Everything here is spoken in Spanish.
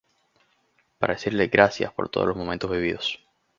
Para decirle "gracias" por todos los momentos vividos.